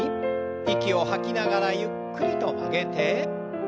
息を吐きながらゆっくりと曲げて。